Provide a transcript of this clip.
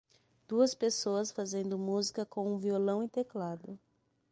Duas pessoas fazendo música com um violão e teclado.